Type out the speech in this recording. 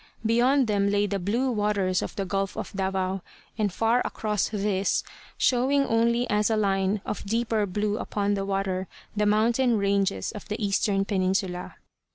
Beyond them lay the blue waters of the Gulf of Davao, and far across this, showing only as a line of deeper blue upon the water, the mountain ranges of the eastern peninsula.